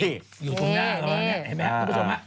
อยู่ตรงหน้าเห็นไหมครับคุณผู้ชม